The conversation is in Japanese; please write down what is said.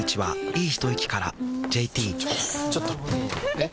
えっ⁉